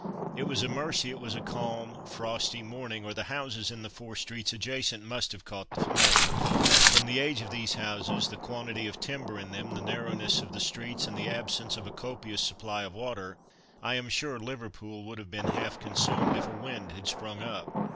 It was a mercy it was a calm frosty morning or the houses in the four streets adjacent must have caught the flame. From the age of these houses, the quantity of timber in them, the narrowness of the streets, and the absence of a copious supply of water, I am sure Liverpool would have been half consumed if a wind had sprung up.